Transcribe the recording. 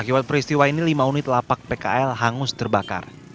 akibat peristiwa ini lima unit lapak pkl hangus terbakar